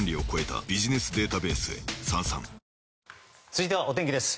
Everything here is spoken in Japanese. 続いてはお天気です。